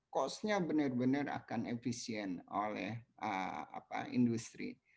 cost nya benar benar akan efisien oleh industri